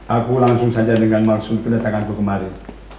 aku langsung saja dengan maksud kedatanganku kemarin